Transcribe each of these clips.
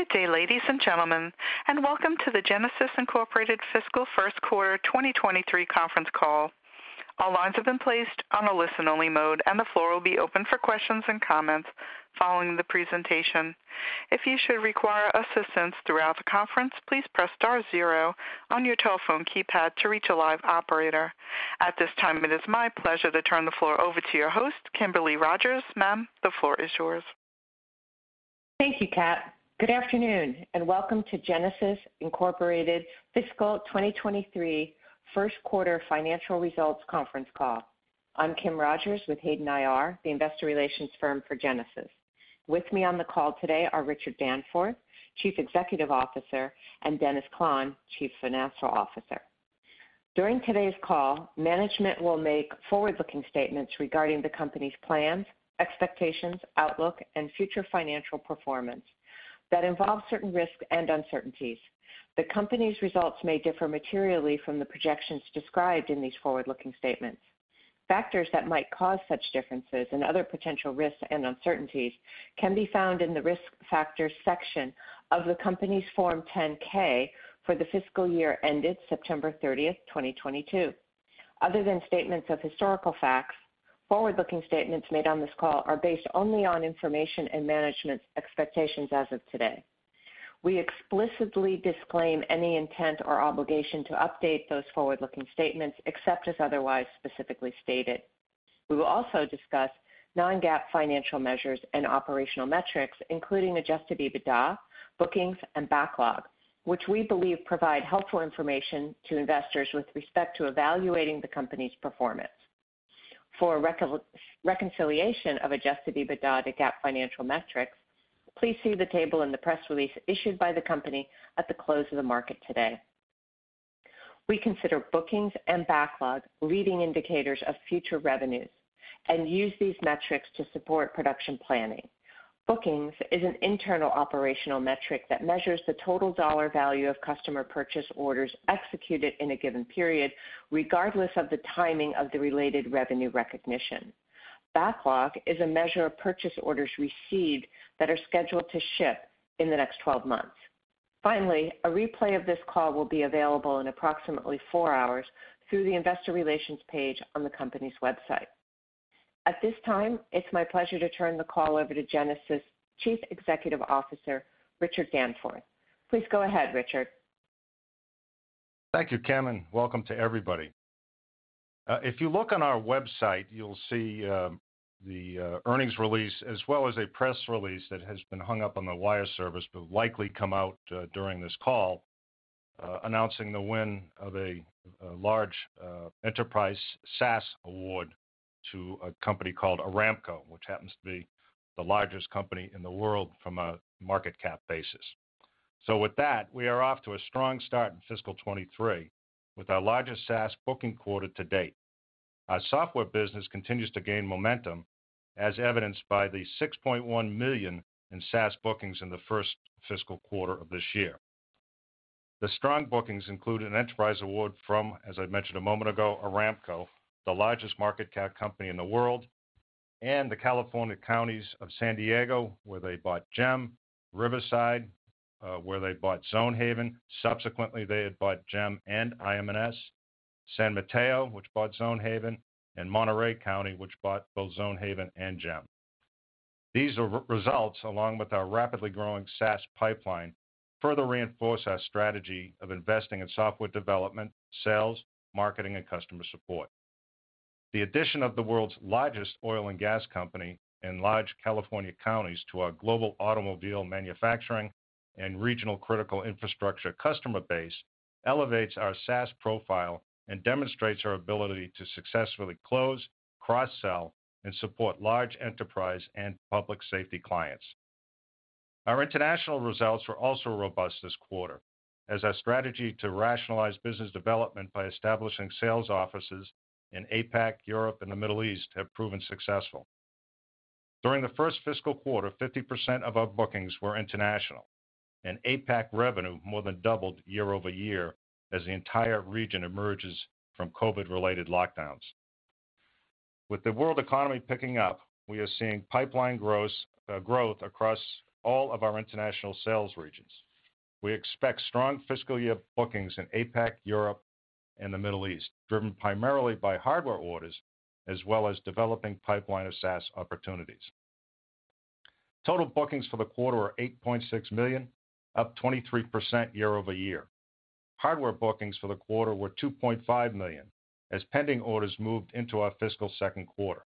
Good day, ladies and gentlemen, welcome to the Genasys Incorporated Fiscal First Quarter 2023 conference call. All lines have been placed on a listen-only mode, the floor will be open for questions and comments following the presentation. If you should require assistance throughout the conference, please press star zero on your telephone keypad to reach a live operator. At This time, it is my pleasure to turn the floor over to your host, Kim Rogers. Ma'am, the floor is yours. Thank you, Kat. Good afternoon, and welcome to Genasys Incorporated Fiscal 2023 First Quarter Financial Results Conference Call. I'm Kim Rogers with Hayden IR, the investor relations firm for Genasys. With me on the call today are Richard Danforth, Chief Executive Officer, and Dennis Klahn, Chief Financial Officer. During today's call, management will make forward-looking statements regarding the company's plans, expectations, outlook, and future financial performance that involve certain risks and uncertainties. The company's results may differ materially from the projections described in these forward-looking statements. Factors that might cause such differences and other potential risks and uncertainties can be found in the Risk Factors section of the company's Form 10-K for the fiscal year ended September 30, 2022. Other than statements of historical facts, forward-looking statements made on this call are based only on information and management's expectations as of today. We explicitly disclaim any intent or obligation to update those forward-looking statements, except as otherwise specifically stated. We will also discuss non-GAAP financial measures and operational metrics, including adjusted EBITDA, bookings, and backlog, which we believe provide helpful information to investors with respect to evaluating the company's performance. For a reconciliation of adjusted EBITDA to GAAP financial metrics, please see the table in the press release issued by the company at the close of the market today. We consider bookings and backlog leading indicators of future revenues and use these metrics to support production planning. Bookings is an internal operational metric that measures the total dollar value of customer purchase orders executed in a given period, regardless of the timing of the related revenue recognition. Backlog is a measure of purchase orders received that are scheduled to ship in the next 12 months. Finally, a replay of this call will be available in approximately four hours through the investor relations page on the company's website. At this time, it's my pleasure to turn the call over to Genasys Chief Executive Officer, Richard Danforth. Please go ahead, Richard. Thank you, Kim, and welcome to everybody. If you look on our website, you'll see the earnings release as well as a press release that has been hung up on the wire service, but likely come out during this call, announcing the win of a large enterprise SaaS award to a company called Aramco, which happens to be the largest company in the world from a market cap basis. With that, we are off to a strong start in fiscal 2023 with our largest SaaS booking quarter to date. Our software business continues to gain momentum, as evidenced by the $6.1 million in SaaS bookings in the first fiscal quarter of this year. The strong bookings include an enterprise award from, as I mentioned a moment ago, Aramco, the largest market cap company in the world, and the California counties of San Diego, where they bought GEM, Riverside, where they bought Zonehaven. Subsequently, they had bought GEM and IMNS, San Mateo, which bought Zonehaven, and Monterey County, which bought both Zonehaven and GEM. These re-results, along with our rapidly growing SaaS pipeline, further reinforce our strategy of investing in software development, sales, marketing, and customer support. The addition of the world's largest oil and gas company and large California counties to our global automobile manufacturing and regional critical infrastructure customer base elevates our SaaS profile and demonstrates our ability to successfully close, cross-sell, and support large enterprise and public safety clients. Our international results were also robust this quarter, as our strategy to rationalize business development by establishing sales offices in APAC, Europe, and the Middle East have proven successful. During the first fiscal quarter, 50% of our bookings were international, and APAC revenue more than doubled year-over-year as the entire region emerges from COVID-related lockdowns. With the world economy picking up, we are seeing pipeline gross growth across all of our international sales regions. We expect strong fiscal year bookings in APAC, Europe, and the Middle East, driven primarily by hardware orders as well as developing pipeline of SaaS opportunities. Total bookings for the quarter are $8.6 million, up 23% year-over-year. Hardware bookings for the quarter were $2.5 million as pending orders moved into our fiscal second quarter.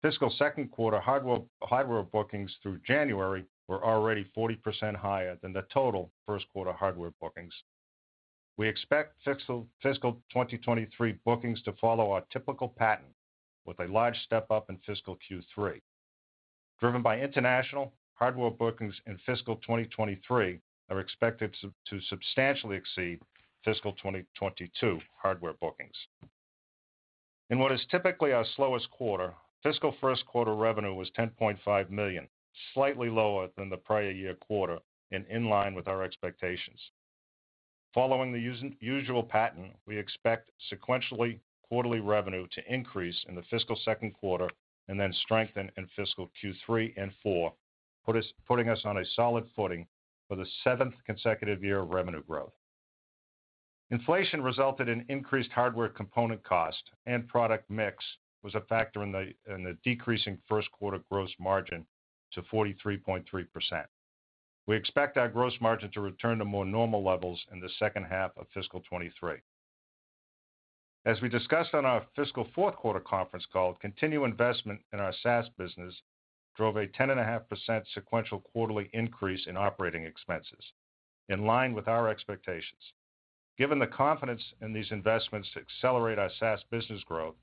Fiscal second quarter hardware bookings through January were already 40% higher than the total first quarter hardware bookings. We expect fiscal 2023 bookings to follow our typical pattern with a large step-up in fiscal Q3. Driven by international, hardware bookings in fiscal 2023 are expected substantially exceed fiscal 2022 hardware bookings. In what is typically our slowest quarter, fiscal first quarter revenue was $10.5 million, slightly lower than the prior year quarter and in line with our expectations. Following the usual pattern, we expect sequentially quarterly revenue to increase in the fiscal second quarter and then strengthen in fiscal Q3 and Q4, putting us on a solid footing for the seventh consecutive year of revenue growth. Inflation resulted in increased hardware component cost and product mix was a factor in the decreasing first quarter gross margin to 43.3%. We expect our gross margin to return to more normal levels in the second half of fiscal 2023. As we discussed on our fiscal fourth quarter conference call, continued investment in our SaaS business drove a 10.5% sequential quarterly increase in operating expenses, in line with our expectations. Given the confidence in these investments to accelerate our SaaS business growth,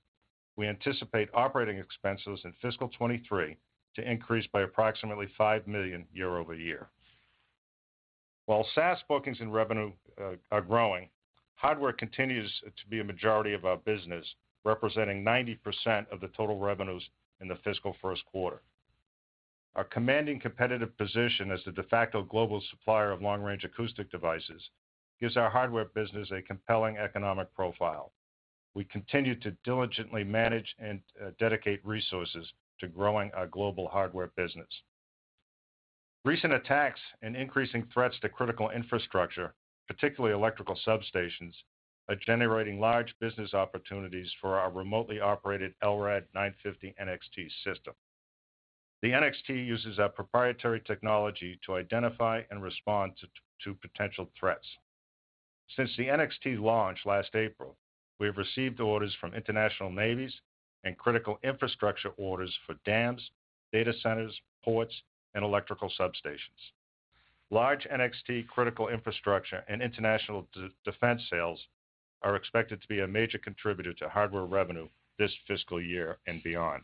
we anticipate operating expenses in fiscal 2023 to increase by approximately $5 million year-over-year. While SaaS bookings and revenue are growing, hardware continues to be a majority of our business, representing 90% of the total revenues in the fiscal first quarter. Our commanding competitive position as the de facto global supplier of long-range acoustic devices gives our hardware business a compelling economic profile. We continue to diligently manage and dedicate resources to growing our global hardware business. Recent attacks and increasing threats to critical infrastructure, particularly electrical substations, are generating large business opportunities for our remotely operated LRAD 950NXT system. The NXT uses our proprietary technology to identify and respond to potential threats. Since the NXT launch last April, we have received orders from international navies and critical infrastructure orders for dams, data centers, ports, and electrical substations. Large NXT critical infrastructure and international defense sales are expected to be a major contributor to hardware revenue this fiscal year and beyond.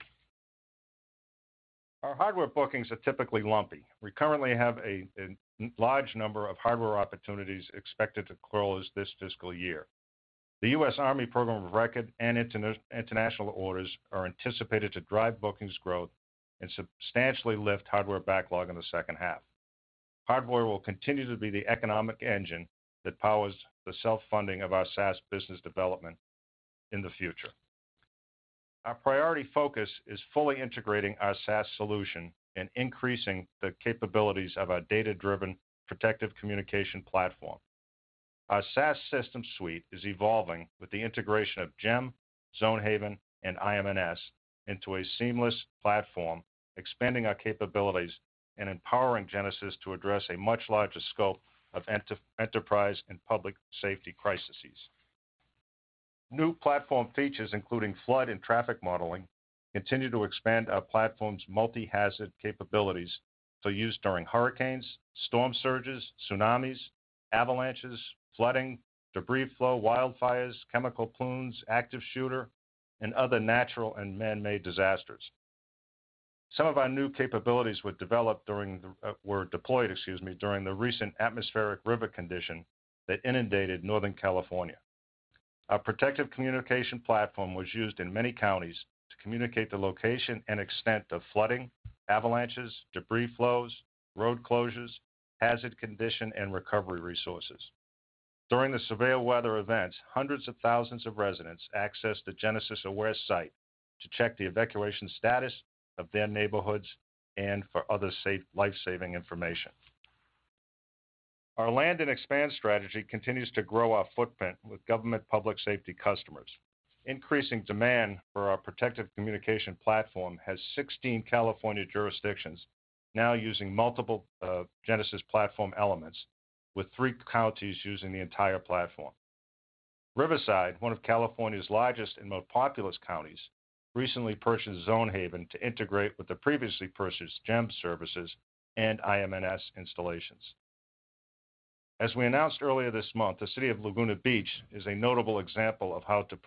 Our hardware bookings are typically lumpy. We currently have a large number of hardware opportunities expected to close this fiscal year. The US Army program of record and inter-international orders are anticipated to drive bookings growth and substantially lift hardware backlog in the second half. Hardware will continue to be the economic engine that powers the self-funding of our SaaS business development in the future. Our priority focus is fully integrating our SaaS solution and increasing the capabilities of our data-driven protective communication platform. Our SaaS system suite is evolving with the integration of GEM, Zonehaven, and IMNS into a seamless platform, expanding our capabilities and empowering Genasys to address a much larger scope of enterprise and public safety crises. New platform features, including flood and traffic modeling, continue to expand our platform's multi-hazard capabilities for use during hurricanes, storm surges, tsunamis, avalanches, flooding, debris flow, wildfires, chemical plumes, active shooter, and other natural and man-made disasters. Some of our new capabilities were developed during the, were deployed, excuse me, during the recent atmospheric river condition that inundated Northern California. Our Protective Communications platform was used in many counties to communicate the location and extent of flooding, avalanches, debris flows, road closures, hazard condition, and recovery resources. During the severe weather events, hundreds of thousands of residents accessed the Genasys Protect site to check the evacuation status of their neighborhoods and for other life-saving information. Our land and expand strategy continues to grow our footprint with government public safety customers. Increasing demand for our Protective Communications platform has 16 California jurisdictions now using multiple Genasys platform elements, with three counties using the entire platform. Riverside, one of California's largest and most populous counties, recently purchased Zonehaven to integrate with the previously purchased GEM services and IMNS installations. As we announced earlier this month, the city of Laguna Beach is a notable example of how the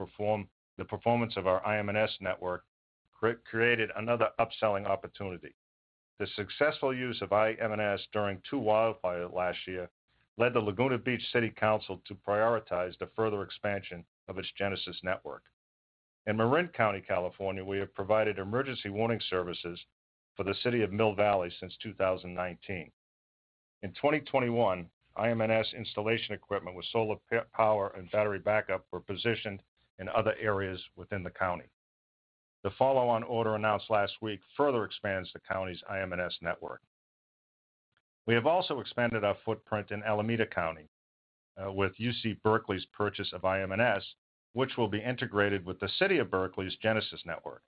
performance of our IMNS network created another upselling opportunity. The successful use of IMNS during 2 wildfires last year led the Laguna Beach City Council to prioritize the further expansion of its Genasys network. In Marin County, California, we have provided emergency warning services for the city of Mill Valley since 2019. In 2021, IMNS installation equipment with solar power and battery backup were positioned in other areas within the county. The follow-on order announced last week further expands the county's IMNS network. We have also expanded our footprint in Alameda County, with UC Berkeley's purchase of IMNS, which will be integrated with the City of Berkeley's Genasys network.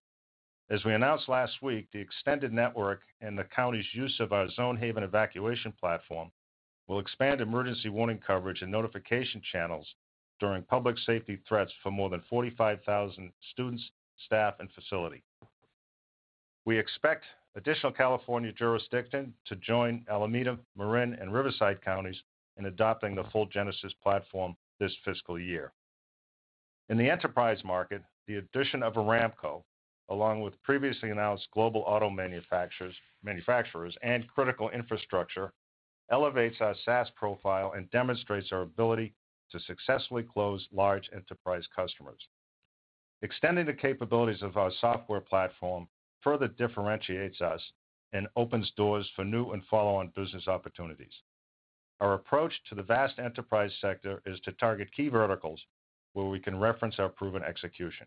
As we announced last week, the extended network and the county's use of our Zonehaven evacuation platform will expand emergency warning coverage and notification channels during public safety threats for more than 45,000 students, staff, and facility. We expect additional California jurisdiction to join Alameda, Marin, and Riverside Counties in adopting the full Genasys platform this fiscal year. In the enterprise market, the addition of Aramco, along with previously announced global auto manufacturers and critical infrastructure, elevates our SaaS profile and demonstrates our ability to successfully close large enterprise customers. Extending the capabilities of our software platform further differentiates us and opens doors for new and follow-on business opportunities. Our approach to the vast enterprise sector is to target key verticals where we can reference our proven execution.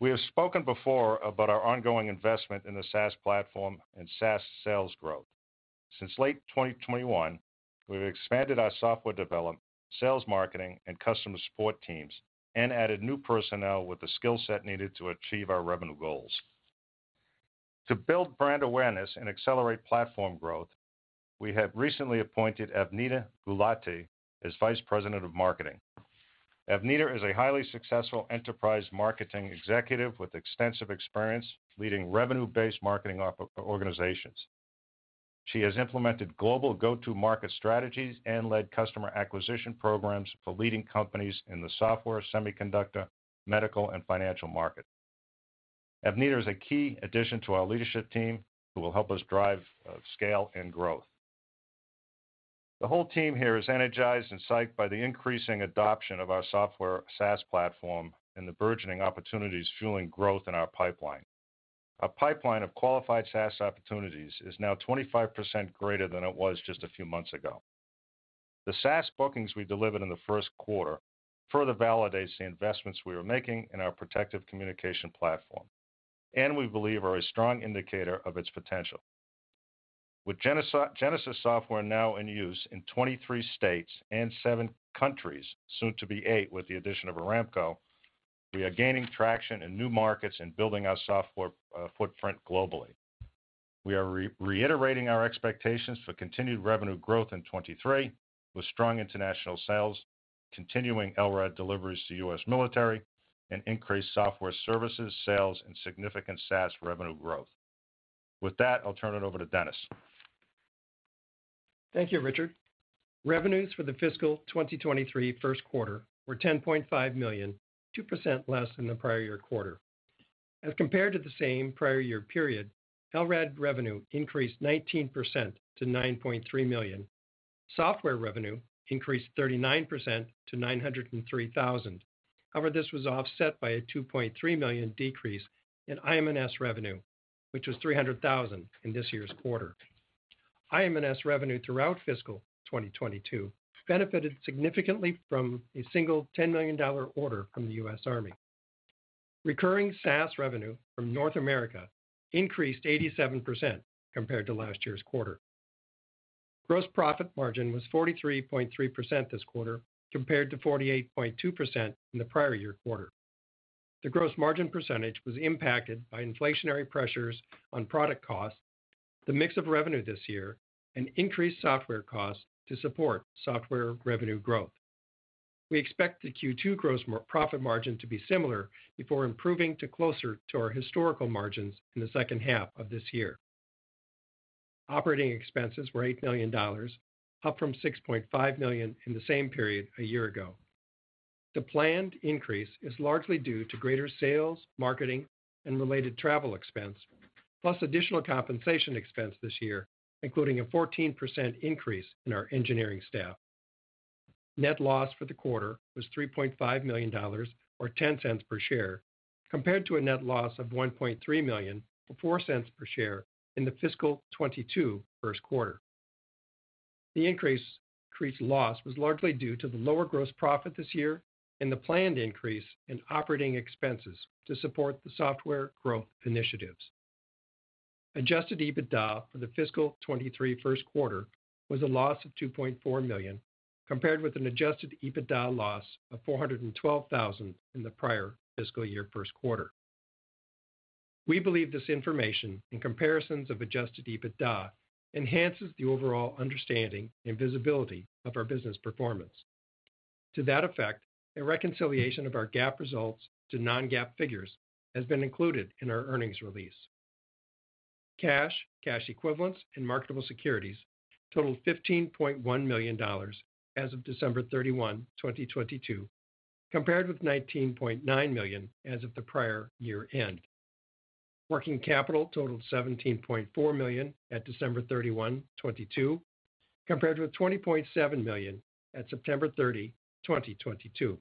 We have spoken before about our ongoing investment in the SaaS platform and SaaS sales growth. Since late 2021, we've expanded our software development, sales marketing, and customer support teams and added new personnel with the skill set needed to achieve our revenue goals. To build brand awareness and accelerate platform growth, we have recently appointed Avneet Gulati as Vice President of Marketing. Avnida is a highly successful enterprise marketing organizations. She has implemented global go-to-market strategies and led customer acquisition programs for leading companies in the software, semiconductor, medical, and financial market. Avnida is a key addition to our leadership team who will help us drive scale and growth. The whole team here is energized and psyched by the increasing adoption of our software SaaS platform and the burgeoning opportunities fueling growth in our pipeline. Our pipeline of qualified SaaS opportunities is now 25% greater than it was just a few months ago. The SaaS bookings we delivered in the first quarter further validates the investments we are making in our Protective Communications platform, and we believe are a strong indicator of its potential. With Genasys software now in use in 23 states and 7 countries, soon to be 8 with the addition of Aramco, we are gaining traction in new markets and building our software footprint globally. We are reiterating our expectations for continued revenue growth in 2023, with strong international sales, continuing LRAD deliveries to US military, and increased software services, sales, and significant SaaS revenue growth. With that, I'll turn it over to Dennis. Thank you, Richard. Revenues for the fiscal 2023 first quarter were $10.5 million, 2% less than the prior year quarter. As compared to the same prior year period, LRAD revenue increased 19% to $9.3 million. Software revenue increased 39% to $903,000. However, this was offset by a $2.3 million decrease in IMNS revenue, which was $300,000 in this year's quarter. IMNS revenue throughout fiscal 2022 benefited significantly from a single $10 million order from the US Army. Recurring SaaS revenue from North America increased 87% compared to last year's quarter. Gross profit margin was 43.3% this quarter, compared to 48.2% in the prior year quarter. The gross margin percentage was impacted by inflationary pressures on product costs, the mix of revenue this year, and increased software costs to support software revenue growth. We expect the Q2 gross profit margin to be similar before improving to closer to our historical margins in the second half of this year. Operating expenses were $8 million, up from $6.5 million in the same period a year ago. The planned increase is largely due to greater sales, marketing, and related travel expense, plus additional compensation expense this year, including a 14% increase in our engineering staff. Net loss for the quarter was $3.5 million or $0.10 per share, compared to a net loss of $1.3 million or $0.04 per share in the fiscal 2022 first quarter. The increased loss was largely due to the lower gross profit this year and the planned increase in operating expenses to support the software growth initiatives. Adjusted EBITDA for the fiscal 23 first quarter was a loss of $2.4 million, compared with an adjusted EBITDA loss of $412,000 in the prior fiscal year first quarter. We believe this information in comparisons of adjusted EBITDA enhances the overall understanding and visibility of our business performance. To that effect, a reconciliation of our GAAP results to non-GAAP figures has been included in our earnings release. Cash, cash equivalents, and marketable securities totaled $15.1 million as of December 31, 2022, compared with $19.9 million as of the prior year end. Working capital totaled $17.4 million at December 31, 2022, compared with $20.7 million at September 30, 2022.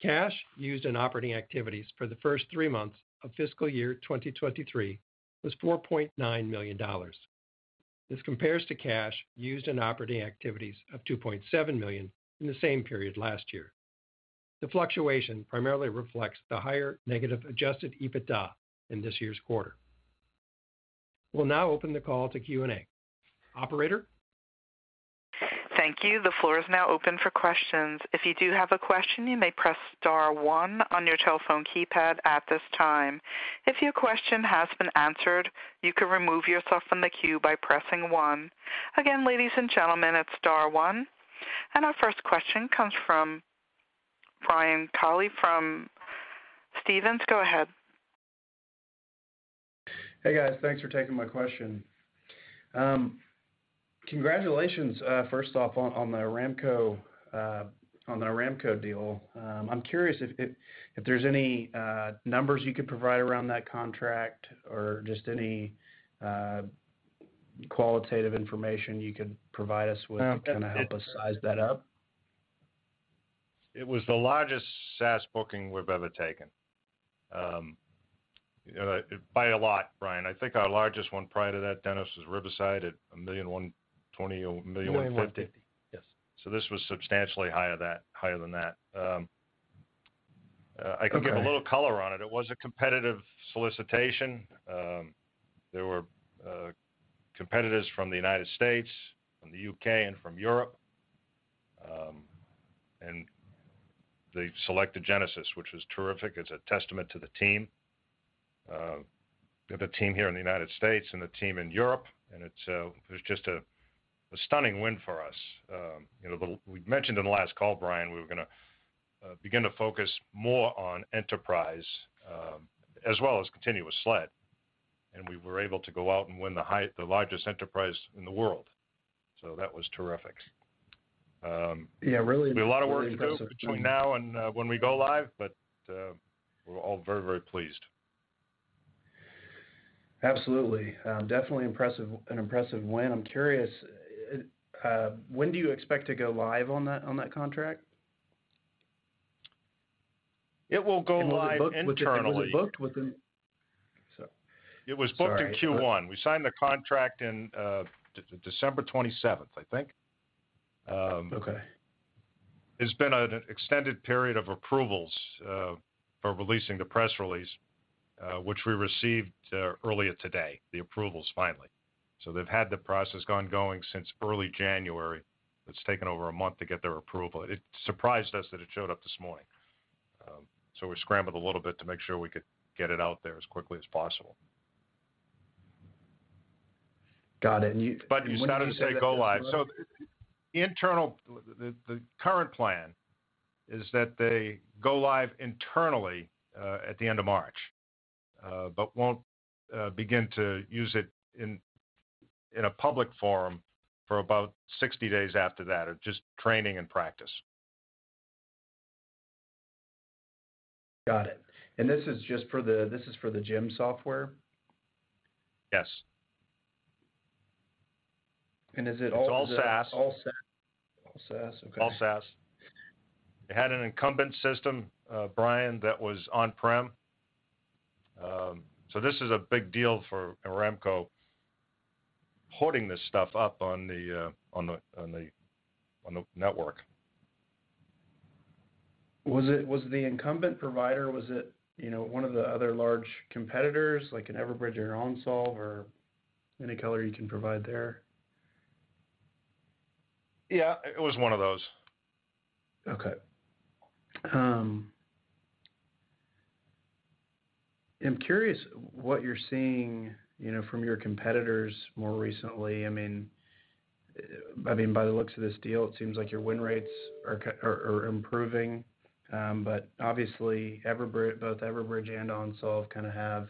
Cash used in operating activities for the first three months of fiscal year 2023 was $4.9 million. This compares to cash used in operating activities of $2.7 million in the same period last year. The fluctuation primarily reflects the higher negative adjusted EBITDA in this year's quarter. We'll now open the call to Q&A. Operator? Thank you. The floor is now open for questions. If you do have a question, you may press star one on your telephone keypad at this time. If your question has been answered, you can remove yourself from the queue by pressing one. Again, ladies and gentlemen, it's star one. Our first question comes from Brian Colley from Stephens. Go ahead. Hey, guys. Thanks for taking my question. Congratulations, first off on the Aramco deal. I'm curious if there's any numbers you could provide around that contract or just any. Qualitative information you could provide us with. Well. To kind of help us size that up. It was the largest SaaS booking we've ever taken, by a lot, Brian. I think our largest one prior to that, Dennis, was Riverside at $1.12 million. $1.15 million. $50 million. Yes. This was substantially higher than that. Okay. A little color on it. It was a competitive solicitation. There were competitors from the United States, from the UK, and from Europe. They selected Genasys, which is terrific. It's a testament to the team, the team here in the United States and the team in Europe, and it's, it was just a stunning win for us. You know, we've mentioned in the last call, Brian, we were gonna begin to focus more on enterprise, as well as continuous SLED, and we were able to go out and win the largest enterprise in the world. That was terrific. Yeah, really impressive. Be a lot of work to do between now and, when we go live, but, we're all very pleased. Absolutely. Definitely an impressive win. I'm curious, when do you expect to go live on that contract? It will go live internally. Was it booked? Sorry. It was booked in Q1. We signed the contract in, December 27th, I think. Okay. It's been an extended period of approvals, for releasing the press release, which we received, earlier today, the approvals finally. They've had the process ongoing since early January. It's taken over a month to get their approval. It surprised us that it showed up this morning. We scrambled a little bit to make sure we could get it out there as quickly as possible. Got it. You- You started to say go live. The current plan is that they go live internally, at the end of March, but won't begin to use it in a public forum for about 60 days after that, or just training and practice. Got it. This is just for the GEM software? Yes. Is it? It's all SaaS. All SaaS. All SaaS, okay. All SaaS. They had an incumbent system, Brian, that was on-prem. This is a big deal for Aramco holding this stuff up on the network. Was the incumbent provider, was it, you know, one of the other large competitors, like an Everbridge or OnSolve or any color you can provide there? Yeah. It was one of those. Okay. I'm curious what you're seeing, you know, from your competitors more recently. I mean, by the looks of this deal, it seems like your win rates are improving. Obviously, Everbridge, both Everbridge and OnSolve kind of have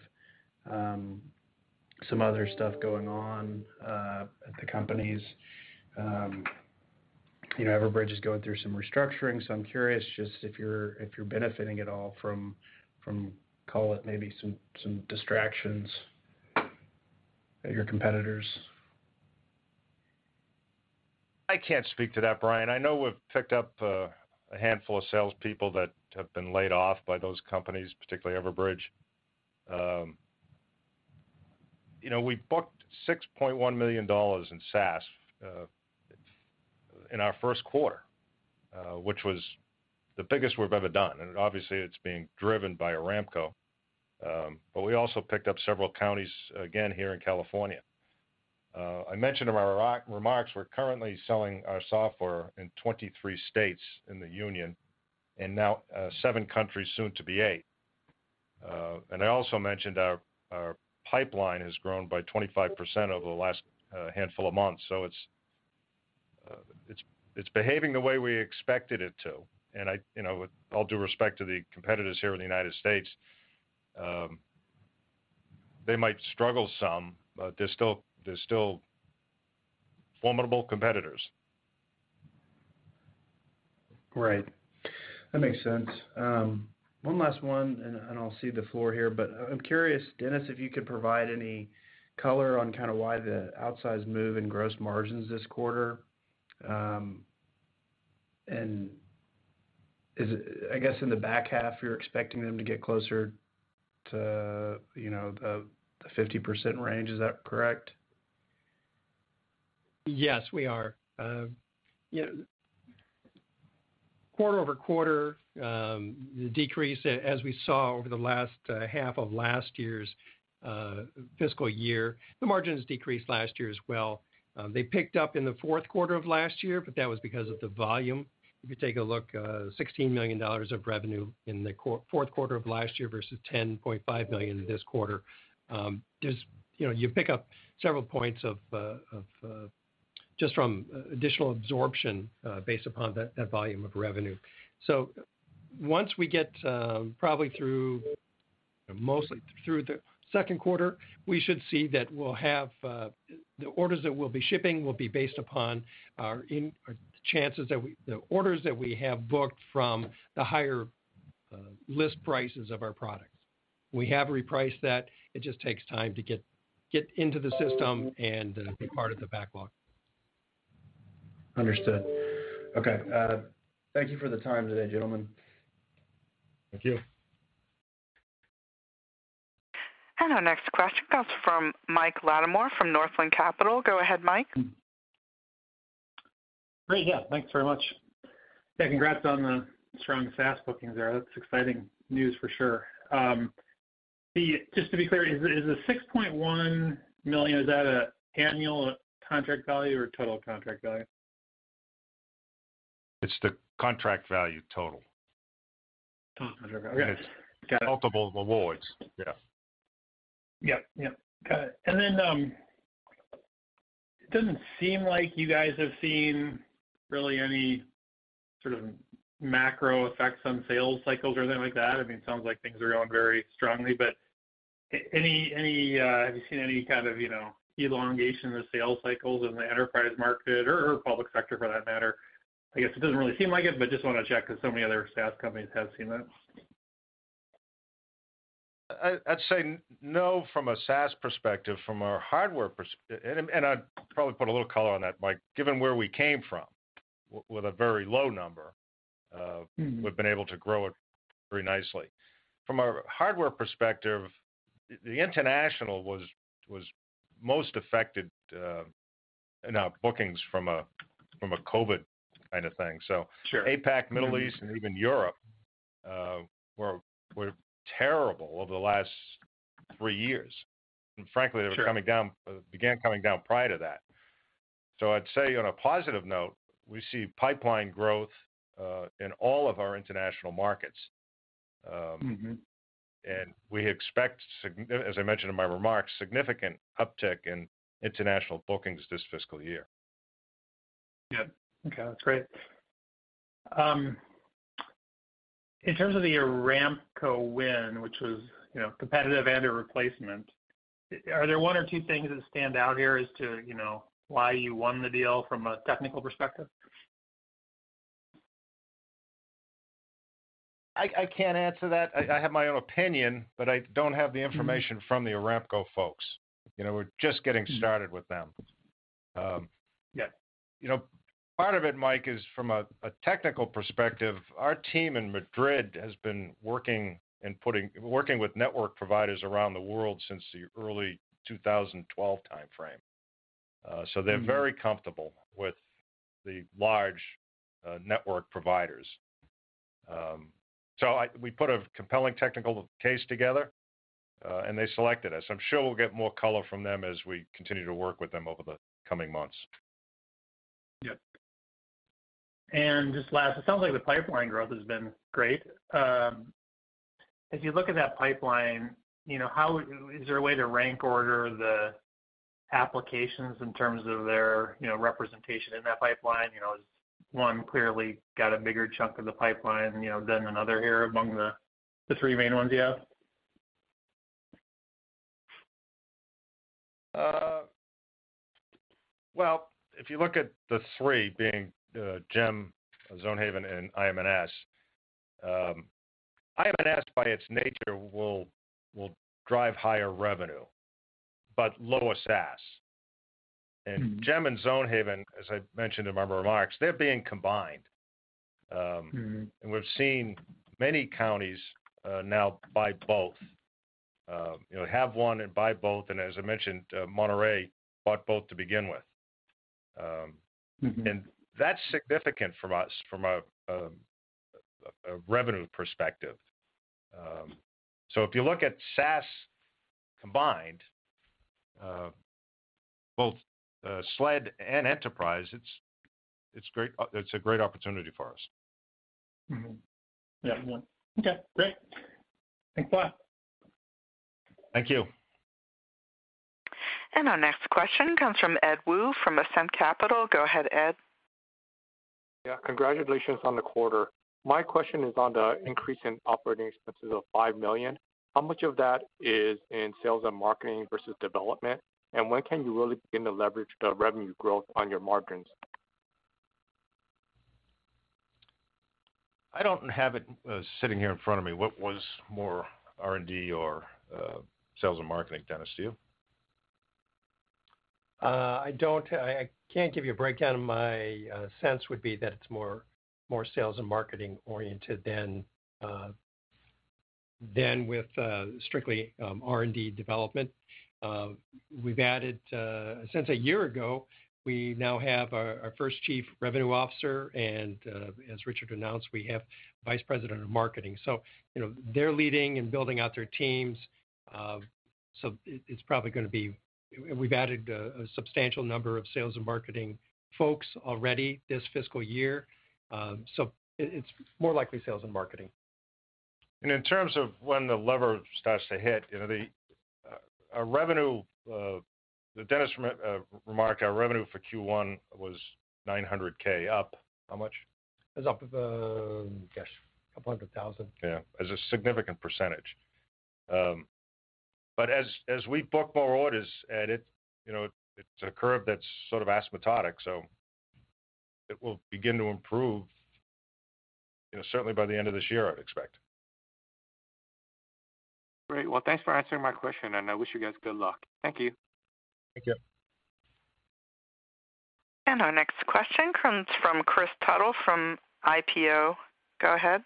some other stuff going on at the companies. You know, Everbridge is going through some restructuring, so I'm curious just if you're, if you're benefiting at all from, call it maybe some distractions at your competitors. I can't speak to that, Brian. I know we've picked up a handful of salespeople that have been laid off by those companies, particularly Everbridge. You know, we booked $6.1 million in SaaS in our first quarter, which was the biggest we've ever done. Obviously, it's being driven by Aramco, but we also picked up several counties again here in California. I mentioned in my remarks we're currently selling our software in 23 states in the union and now 7 countries, soon to be 8. I also mentioned our pipeline has grown by 25% over the last handful of months. It's behaving the way we expected it to. You know, with all due respect to the competitors here in the United States, they might struggle some, but they're still formidable competitors. Right. That makes sense. One last one, and I'll cede the floor here. I'm curious, Dennis, if you could provide any color on kind of why the outsized move in gross margins this quarter. I guess in the back half, you're expecting them to get closer to, you know, the 50% range. Is that correct? Yes, we are. You know, quarter-over-quarter, the decrease as we saw over the last half of last year's fiscal year, the margins decreased last year as well. They picked up in the fourth quarter of last year, but that was because of the volume. If you take a look, $16 million of revenue in the fourth quarter of last year versus $10.5 million this quarter, there's, you know, you pick up several points of, just from additional absorption, based upon that volume of revenue. Once we get, probably through, mostly through the second quarter, we should see that we'll have, the orders that we'll be shipping will be based upon the orders that we have booked from the higher, list prices of our products. We have repriced that. It just takes time to get into the system and, be part of the backlog. Understood. Okay. Thank you for the time today, gentlemen. Thank you. Our next question comes from Mike Latimore from Northland Capital. Go ahead, Mike. Great. Yeah, thanks very much. Yeah, congrats on the strong SaaS bookings there. That's exciting news for sure. Just to be clear, is the $6.1 million, is that a annual contract value or total contract value? It's the contract value total. Total contract. Okay. Got it. Multiple awards. Yeah. Yep. Got it. It doesn't seem like you guys have seen really any sort of macro effects on sales cycles or anything like that. I mean, it sounds like things are going very strongly. Any, have you seen any kind of, you know, elongation of sales cycles in the enterprise market or public sector for that matter? I guess it doesn't really seem like it, but just wanna check 'cause so many other SaaS companies have seen that. I'd say no from a SaaS perspective, from our hardware perspective. I'd probably put a little color on that, Mike. Given where we came from with a very low number. Mm-hmm... we've been able to grow it very nicely. From a hardware perspective, the international was most affected in our bookings from a COVID kind of thing. Sure. Mm-hmm.... APAC, Middle East, and even Europe, were terrible over the last three years. Frankly. Sure... they were coming down, began coming down prior to that. I'd say on a positive note, we see pipeline growth in all of our international markets. Mm-hmm We expect as I mentioned in my remarks, significant uptick in international bookings this fiscal year. Yeah. Okay. That's great. In terms of the Aramco win, which was, you know, competitive and a replacement, are there one or two things that stand out here as to, you know, why you won the deal from a technical perspective? I can't answer that. I have my own opinion, but I don't have the information. Mm-hmm... from the Aramco folks. You know, we're just getting started with them. Yeah... you know, part of it, Mike, is from a technical perspective, our team in Madrid has been working and working with network providers around the world since the early 2012 timeframe. They're. Mm-hmm... very comfortable with the large network providers. We put a compelling technical case together. They selected us. I'm sure we'll get more color from them as we continue to work with them over the coming months. Yeah. Just last, it sounds like the pipeline growth has been great. If you look at that pipeline, you know, is there a way to rank order the applications in terms of their, you know, representation in that pipeline? You know, has one clearly got a bigger chunk of the pipeline, you know, than another here among the three main ones you have? Well, if you look at the 3 being GEM, Zonehaven, and IMNS by its nature will drive higher revenue, but lower SaaS. Mm-hmm. GEM and Zonehaven, as I mentioned in my remarks, they're being combined. Mm-hmm... and we've seen many counties, now buy both. you know, have one and buy both. As I mentioned, Monterey bought both to begin with. Mm-hmm That's significant from us from a revenue perspective. If you look at SaaS combined, both SLED and Enterprise, it's a great opportunity for us. Mm-hmm. Yeah. Okay, great. Thanks a lot. Thank you. Our next question comes from Ed Woo from Ascendiant Capital. Go ahead, Ed. Yeah. Congratulations on the quarter. My question is on the increase in operating expenses of $5 million. How much of that is in sales and marketing versus development? When can you really begin to leverage the revenue growth on your margins? I don't have it, sitting here in front of me. What was more R&D or, sales and marketing, Dennis, to you? I don't... I can't give you a breakdown. My sense would be that it's more sales and marketing oriented than with strictly R&D development. We've added since a year ago, we now have our first Chief Revenue Officer and as Richard announced, we have Vice President of Marketing. You know, they're leading and building out their teams. It's probably gonna be... We've added a substantial number of sales and marketing folks already this fiscal year. It's more likely sales and marketing. In terms of when the lever starts to hit, you know, the, our revenue, the Dennis remark, our revenue for Q1 was $900K up how much? It was up, gosh, $200,000. Yeah. It was a significant percentage. As we book more orders, and it, you know, it's a curve that's sort of asymptotic. It will begin to improve, you know, certainly by the end of this year, I'd expect. Great. Well, thanks for answering my question, and I wish you guys good luck. Thank you. Thank you. Our next question comes from Kris Tuttle from IPO. Go ahead.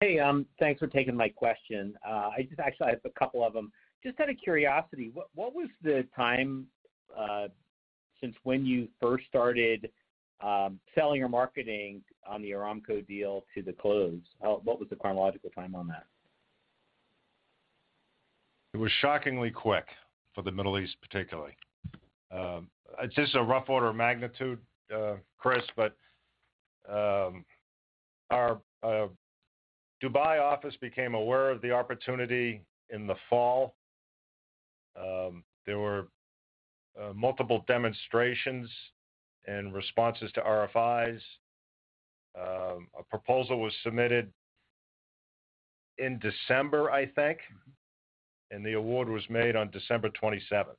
Hey, thanks for taking my question. I just actually have a couple of them. Just out of curiosity, what was the time since when you first started selling or marketing on the Aramco deal to the close? What was the chronological time on that? It was shockingly quick for the Middle East, particularly. It's just a rough order of magnitude, Kris, our Dubai office became aware of the opportunity in the fall. There were multiple demonstrations and responses to RFIs. A proposal was submitted in December, I think, and the award was made on December 27th.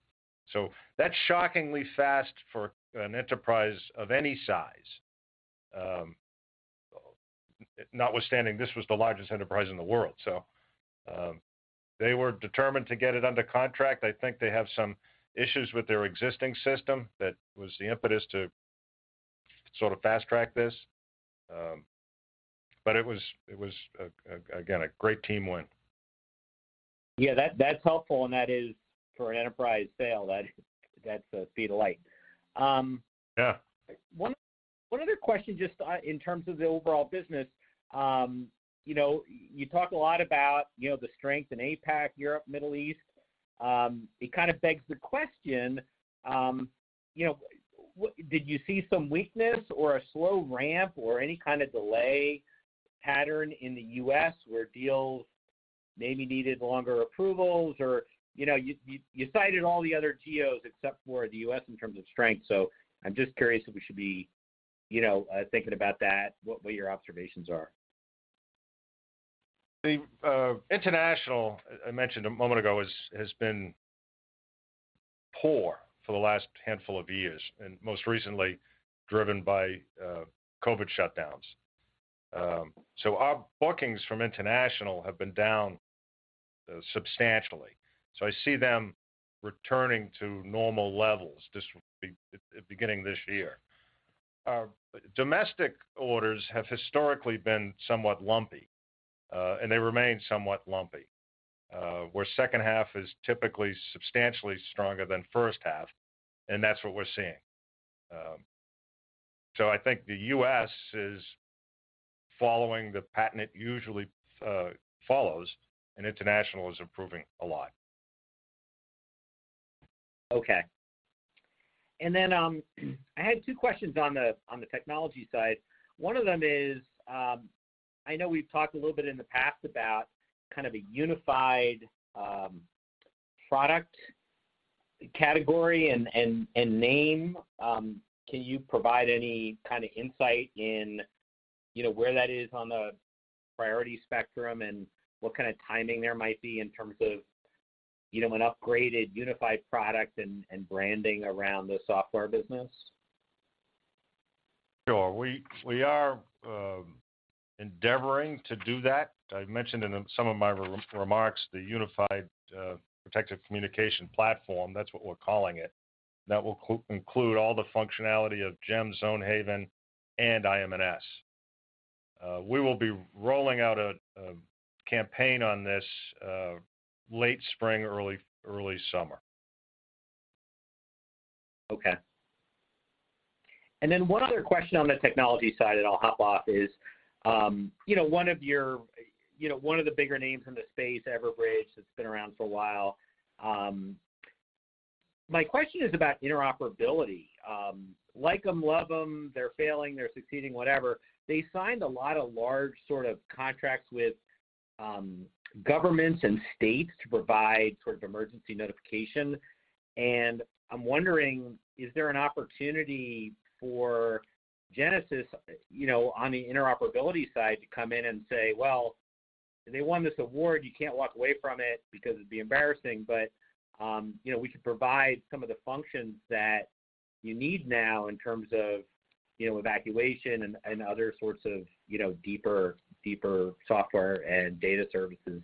That's shockingly fast for an enterprise of any size, notwithstanding this was the largest enterprise in the world. They were determined to get it under contract. I think they have some issues with their existing system that was the impetus to sort of fast-track this. It was again a great team win. Yeah, that's helpful, and that is for an enterprise sale, that's a speed of light. Yeah. One other question just in terms of the overall business. You know, you talk a lot about, you know, the strength in APAC, Europe, Middle East. It kind of begs the question, you know, did you see some weakness or a slow ramp or any kind of delay pattern in the US where deals maybe needed longer approvals? You know, you cited all the other geos except for the US in terms of strength, so I'm just curious if we should be, you know, thinking about that, what your observations are? The international, I mentioned a moment ago, has been poor for the last handful of years, and most recently driven by COVID shutdowns. Our bookings from international have been down substantially. I see them returning to normal levels beginning this year. Our domestic orders have historically been somewhat lumpy, and they remain somewhat lumpy, where second half is typically substantially stronger than first half, and that's what we're seeing. I think the U.S. is following the pattern it usually follows, and international is improving a lot. Okay. I had two questions on the, on the technology side. One of them is, I know we've talked a little bit in the past about kind of a unified product category and name. Can you provide any kind of insight in, you know, where that is on the priority spectrum and what kind of timing there might be in terms of, you know, an upgraded unified product and branding around the software business? Sure. We are endeavoring to do that. I mentioned in some of my remarks the unified protective communication platform. That's what we're calling it. That will include all the functionality of GEM, Zonehaven and IMNS. We will be rolling out a campaign on this late spring or early summer. Okay. Then one other question on the technology side, and I'll hop off, is, you know, one of your, you know, one of the bigger names in the space, Everbridge, that's been around for a while. My question is about interoperability. Like them, love them, they're failing, they're succeeding, whatever. They signed a lot of large sort of contracts with governments and states to provide sort of emergency notification. I'm wondering, is there an opportunity for Genasys, you know, on the interoperability side to come in and say, "Well, they won this award. You can't walk away from it because it'd be embarrassing." You know, we can provide some of the functions that you need now in terms of, you know, evacuation and other sorts of, you know, deeper software and data services.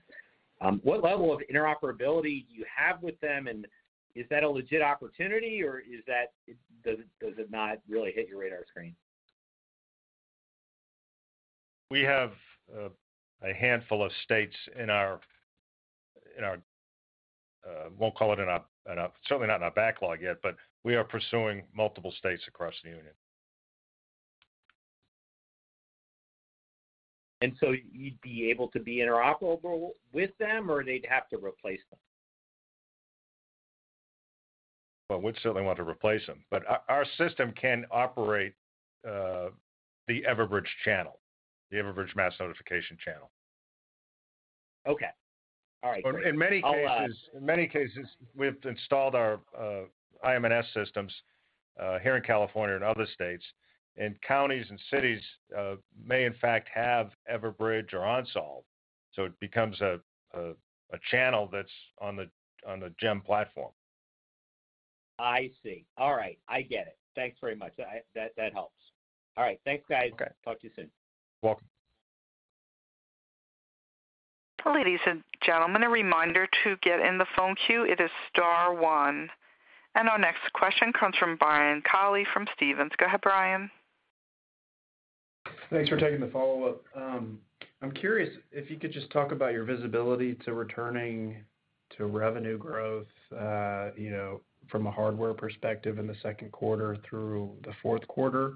What level of interoperability do you have with them, and is that a legit opportunity or does it not really hit your radar screen? We have a handful of states in our, won't call it in a... Certainly not in our backlog yet, but we are pursuing multiple states across the union. You'd be able to be interoperable with them, or they'd have to replace them? Well, we'd certainly want to replace them. Our system can operate, the Everbridge channel, the Everbridge mass notification channel. Okay. All right, great. I'll. In many cases, we've installed our IMNS systems here in California and other states. Counties and cities may in fact have Everbridge or OnSolve, so it becomes a channel that's on the GEM platform. I see. All right, I get it. Thanks very much. That helps. All right, thanks, guys. Okay. Talk to you soon. Welcome. Ladies and gentlemen, a reminder to get in the phone queue, it is star one. Our next question comes from Brian Colley from Stephens. Go ahead, Brian. Thanks for taking the follow-up. I'm curious if you could just talk about your visibility to returning to revenue growth, you know, from a hardware perspective in the second quarter through the fourth quarter.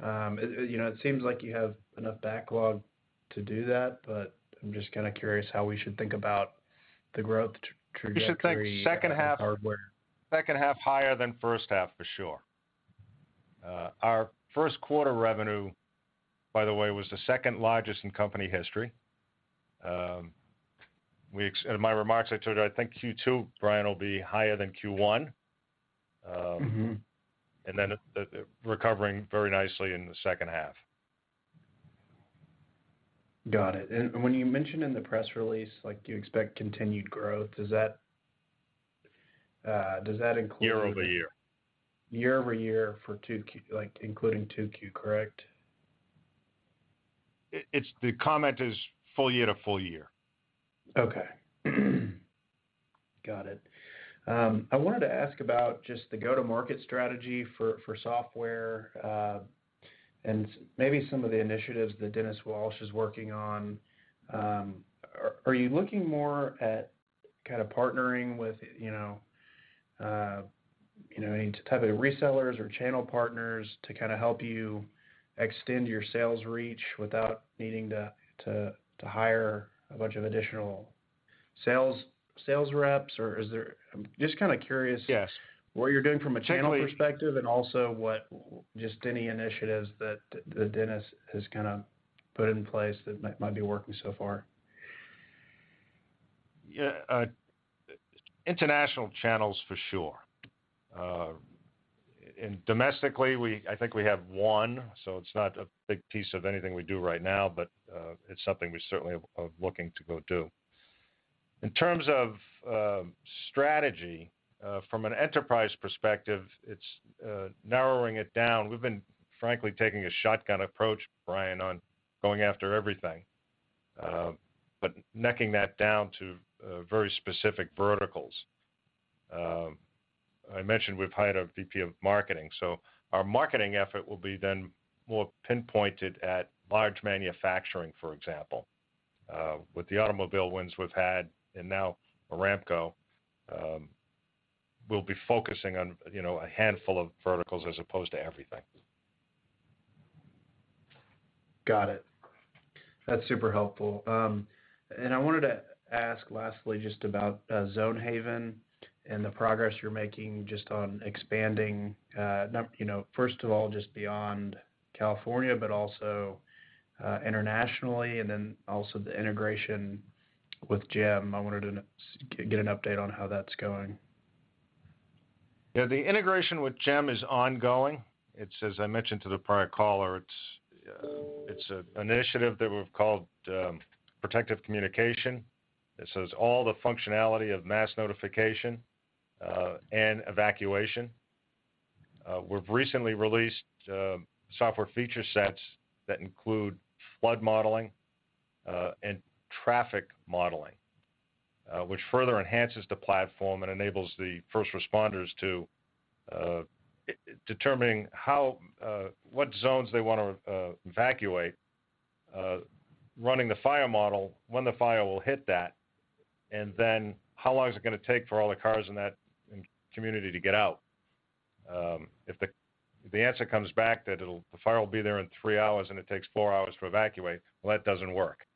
You know, it seems like you have enough backlog to do that. I'm just kinda curious how we should think about the growth trajectory... You should think second half- On hardware. Second half higher than first half, for sure. Our first quarter revenue, by the way, was the second-largest in company history. In my remarks, I told you I think Q2, Brian, will be higher than Q1. Mm-hmm. It recovering very nicely in the second half. Got it. When you mention in the press release, like, you expect continued growth, does that include- Year-over-year. Year-over-year for 2Q, like, including 2Q, correct? The comment is full year to full year. Okay. Got it. I wanted to ask about just the go-to-market strategy for software, and maybe some of the initiatives that Dennis Walsh is working on. Are you looking more at kind of partnering with, you know, you know, any type of resellers or channel partners to kind of help you extend your sales reach without needing to hire a bunch of additional sales reps? I'm just kind of curious. Yes. what you're doing from a channel perspective, and also what, just any initiatives that Dennis has kind of put in place that might be working so far. International channels for sure. Domestically, I think we have one, so it's not a big piece of anything we do right now, but it's something we certainly are looking to go do. In terms of strategy, from an enterprise perspective, it's narrowing it down. We've been, frankly, taking a shotgun approach, Brian, on going after everything. Necking that down to very specific verticals. I mentioned we've hired a VP of marketing, so our marketing effort will be then more pinpointed at large manufacturing, for example. With the automobile wins we've had and now Aramco, we'll be focusing on, you know, a handful of verticals as opposed to everything. Got it. That's super helpful. I wanted to ask lastly just about Zonehaven and the progress you're making just on expanding, you know, first of all, just beyond California, but also internationally, and then also the integration with GEM. I wanted to get an update on how that's going. Yeah, the integration with GEM is ongoing. It's as I mentioned to the prior caller, it's an initiative that we've called Protective Communications. This has all the functionality of mass notification and evacuation. We've recently released software feature sets that include flood modeling and traffic modeling, which further enhances the platform and enables the first responders to determining how what zones they wanna evacuate, running the fire model, when the fire will hit that, and then how long is it gonna take for all the cars in that community to get out. If the answer comes back that the fire will be there in 3 hours and it takes 4 hours to evacuate, well, that doesn't work.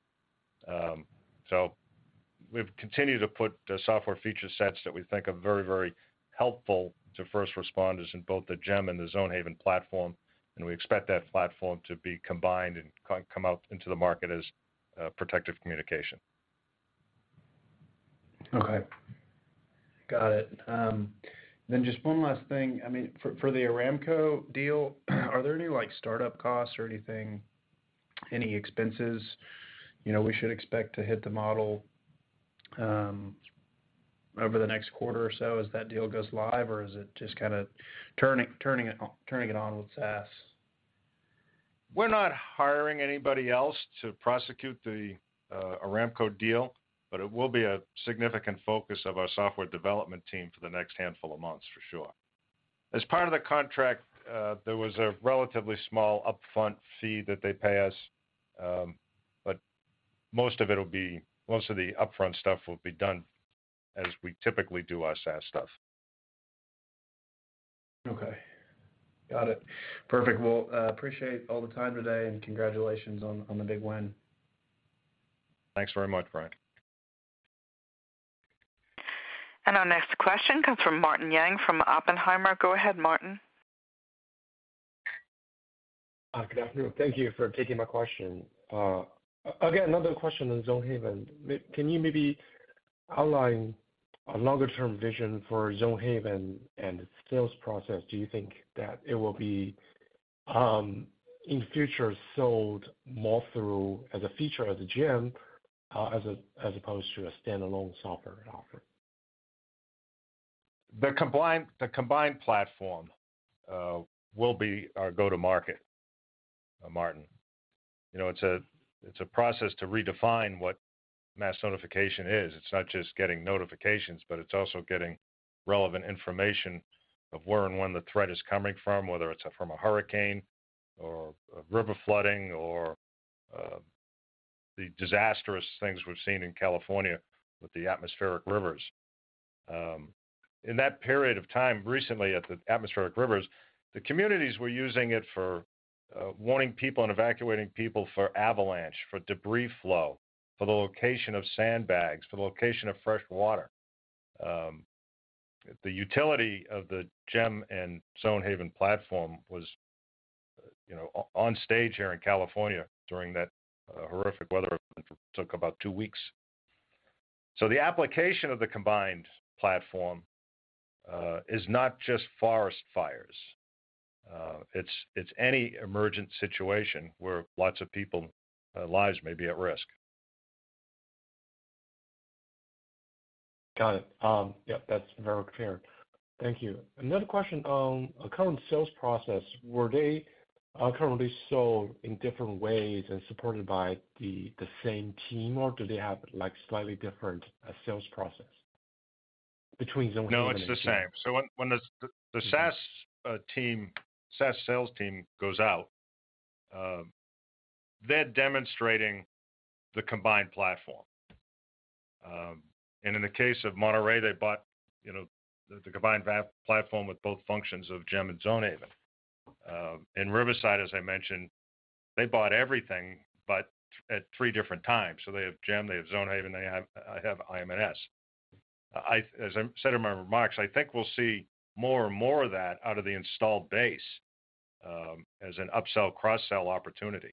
We've continued to put the software feature sets that we think are very, very helpful to first responders in both the GEM and the Zonehaven platform, and we expect that platform to be combined and come out into the market as Protective Communications. Okay. Got it. Just one last thing. I mean, for the Aramco deal, are there any, like, startup costs or anything, any expenses, you know, we should expect to hit the model over the next quarter or so as that deal goes live? Or is it just kinda turning it on with SaaS? We're not hiring anybody else to prosecute the Aramco deal. It will be a significant focus of our software development team for the next handful of months, for sure. As part of the contract, there was a relatively small upfront fee that they pay us. Most of the upfront stuff will be done as we typically do our SaaS stuff. Okay. Got it. Perfect. Well, appreciate all the time today, and congratulations on the big win. Thanks very much, Brian. Our next question comes from Martin Yang from Oppenheimer. Go ahead, Martin. Good afternoon. Thank you for taking my question. Again, another question on Zonehaven. Can you maybe outline a longer-term vision for Zonehaven and its sales process? Do you think that it will be, in future, sold more through as a feature of the GEM, as opposed to a standalone software offer? The combined platform will be our go-to-market, Martin. You know, it's a process to redefine what mass notification is. It's not just getting notifications, but it's also getting relevant information of where and when the threat is coming from, whether it's from a hurricane or a river flooding or the disastrous things we've seen in California with the atmospheric rivers. In that period of time recently at the atmospheric rivers, the communities were using it for warning people and evacuating people for avalanche, for debris flow, for the location of sandbags, for the location of fresh water. The utility of the GEM and Zonehaven platform was, you know, on stage here in California during that horrific weather event that took about 2 weeks. The application of the combined platform is not just forest fires. It's any emergent situation where lots of people lives may be at risk. Got it. Yeah, that's very clear. Thank you. Another question on current sales process. Were they currently sold in different ways and supported by the same team, or do they have, like, slightly different sales process between Zonehaven? No, it's the same. When the SaaS sales team goes out, they're demonstrating the combined platform. In the case of Monterey, they bought, you know, the combined platform with both functions of GEM and Zonehaven. In Riverside, as I mentioned, they bought everything, but at 3 different times. They have GEM, they have Zonehaven, they have IMNS. As I said in my remarks, I think we'll see more and more of that out of the installed base as an upsell, cross-sell opportunity.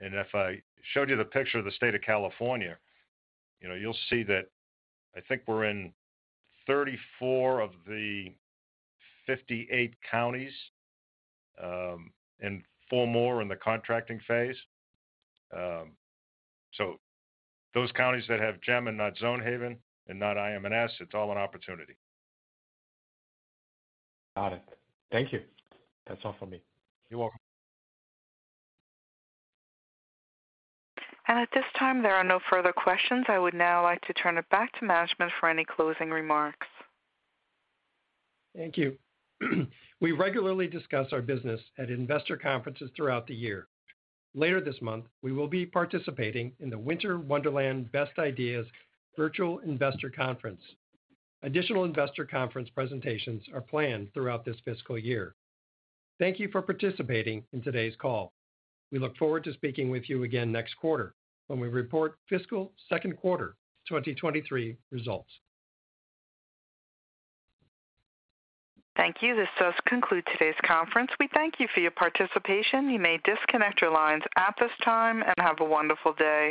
If I showed you the picture of the state of California, you know, you'll see that I think we're in 34 of the 58 counties, and 4 more in the contracting phase. Those counties that have GEM and not Zonehaven and not IMNS, it's all an opportunity. Got it. Thank you. That's all for me. You're welcome. At this time, there are no further questions. I would now like to turn it back to management for any closing remarks. Thank you. We regularly discuss our business at investor conferences throughout the year. Later this month, we will be participating in the Winter Wonderland Best Ideas Virtual Investor Conference. Additional investor conference presentations are planned throughout this fiscal year. Thank you for participating in today's call. We look forward to speaking with you again next quarter when we report fiscal second quarter 2023 results. Thank you. This does conclude today's conference. We thank you for your participation. You may disconnect your lines at this time, and have a wonderful day.